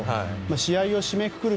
試合を締めくくる